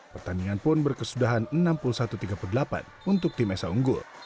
pertandingan pun berkesudahan enam puluh satu tiga puluh delapan untuk tim esa unggul